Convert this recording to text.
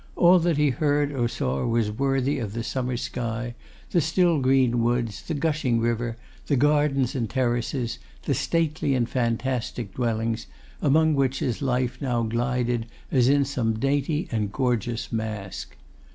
All that he heard or saw was worthy of the summer sky, the still green woods, the gushing river, the gardens and terraces, the stately and fantastic dwellings, among which his life now glided as in some dainty and gorgeous masque.